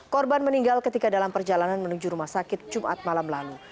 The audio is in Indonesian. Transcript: korban meninggal ketika dalam perjalanan menuju rumah sakit jumat malam lalu